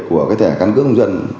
của cái thẻ căn cứ công dân